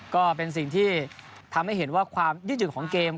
ก็เป็นสิ่งที่ทำให้เห็นว่าความยืดหยุ่นของเกม